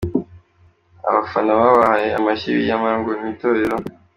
Abafana babahaye amashyi biyamira ngo n’ itorero.